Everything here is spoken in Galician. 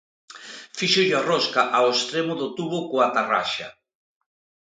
Fíxolle a rosca ao extremo do tubo coa tarraxa.